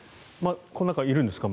この中にまだいるんですか？